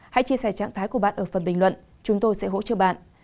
hãy chia sẻ trạng thái của bạn ở phần bình luận chúng tôi sẽ hỗ trợ bạn